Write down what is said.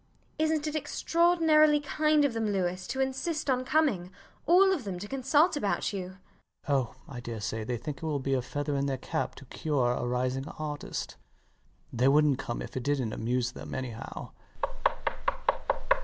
Isnt it extraordinarily kind of them, Louis, to insist on coming? all of them, to consult about you? LOUIS [coolly] Oh, I daresay they think it will be a feather in their cap to cure a rising artist. They wouldnt come if it didnt amuse them, anyhow.